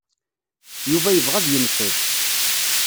Yuba yebɣa ad yenfel.